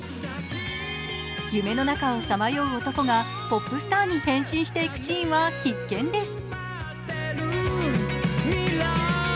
夢の中をさまよう男がポップスターに変身していくシーンは必見です。